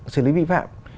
xử lý vi phạm